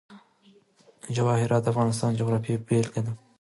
جواهرات د افغانستان د جغرافیې بېلګه ده.